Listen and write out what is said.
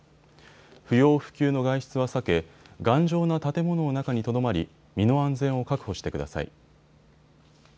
不要不急の外出は避け頑丈な建物の中にとどまり身の安全を確保してください。